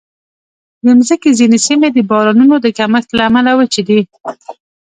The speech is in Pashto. د مځکې ځینې سیمې د بارانونو د کمښت له امله وچې دي.